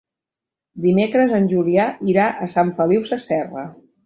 Dimecres en Julià irà a Sant Feliu Sasserra.